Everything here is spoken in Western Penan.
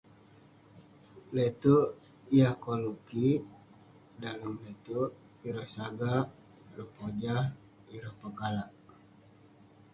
Lete'erk yah koluk kik, dalem lete'erk ireh sagak, ireh pojah, ireh pekalak.